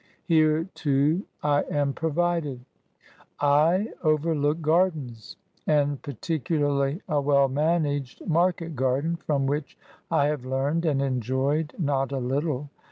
Here, too, I am provided, I overlook gardens, and particularly a well managed market garden, from which I have learned, and enjoyed, not a litde.